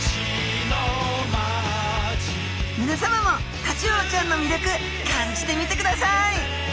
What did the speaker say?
みなさまもタチウオちゃんのみりょく感じてみてください！